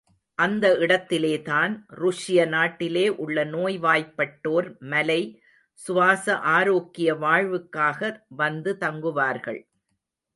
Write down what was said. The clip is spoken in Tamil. அந்த இடத்திலேதான், ருஷ்ய நாட்டிலே உள்ள நோய்வாய்ப்பட்டோர் மலை சுவாச ஆரோக்கிய வாழ்வுக்காக வந்து தங்குவார்கள்.